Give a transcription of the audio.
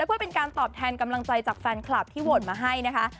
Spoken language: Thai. เพื่อเป็นการตอบแทนกำลังใจจากแฟนคลับที่โหวตมาให้นะคะ